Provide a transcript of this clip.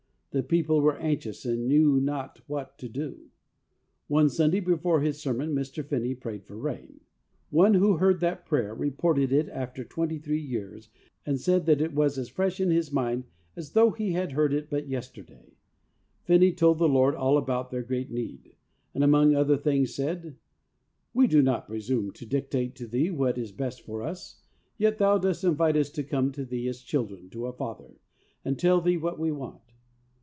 The people were anxious, and knew not what to do. One Sunday, before his sermon, Mr. Finney prayed for rain. One who heard that prayer reported it after twenty three years, and said it was as fresh in his mind as though he had heard it but yesterday. Finney told the Lord all about their great need, and among other things said, ' We do not presume to dictate to Thee what is best for us, yet Thou dost invite us to come to Thee as children to a father, and tell Thee what we want.